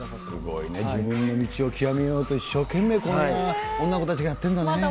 すごいね、自分の道を究めようと、一生懸命、こんな女の子たちがやってるんだね。